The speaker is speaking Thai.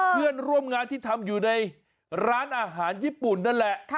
เพื่อนร่วมงานที่ทำอยู่ในร้านอาหารญี่ปุ่นนั่นแหละ